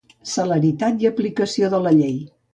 Celeritat i aplicació de la llei.